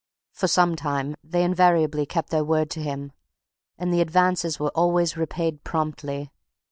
For some time they invariably kept their word to him, and the advances were always repaid promptly.